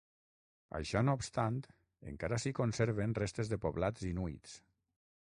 Això no obstant, encara s'hi conserven restes de poblats inuits.